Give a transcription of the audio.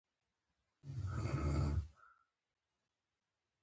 لیکوال د اروايي ارتقا مفکوره وړاندې کوي.